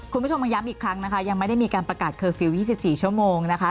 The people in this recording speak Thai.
คุณผู้ชมยังย้ำอีกครั้งนะคะยังไม่ได้มีการประกาศเคอร์ฟิลล์๒๔ชั่วโมงนะคะ